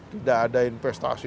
tidak ada investasi